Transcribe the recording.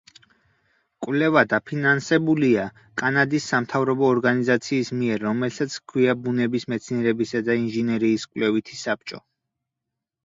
კვლევა დაფინანსებულია კანადის სამთავრობო ორგანიზაციის მიერ, რომელსაც ჰქვია ბუნების მეცნიერებისა და ინჟინერიის კვლევითი საბჭო.